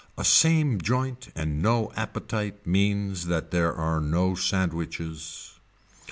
A same joint and no appetite means that there are no sandwiches.